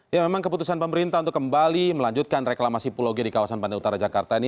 ya memang keputusan pemerintah untuk kembali melanjutkan reklamasi pulau g di kawasan pantai utara jakarta ini